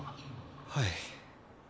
はい。